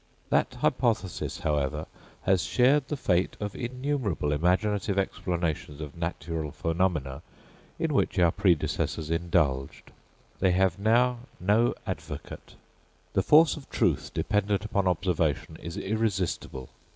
That hypothesis, however, has shared the fate of innumerable imaginative explanations of natural phenomena, in which our predecessors indulged. They have now no advocate. The force of truth, dependent upon observation, is irresistible.